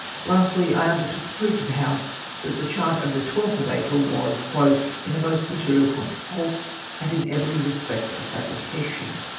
Lastly, I undertook to prove to the House, that the chart of the 12th of April was " in a most material point false — and in every respect a fal^rication."